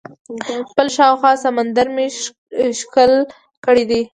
خپل شاوخوا سمندر مې ښکل کړی دئ.